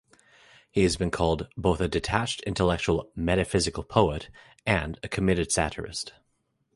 He has been called "both a detached, intellectual, 'metaphysical' poet" and "a committed satirist".